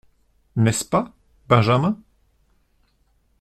N’est-ce pas, Benjamin ?…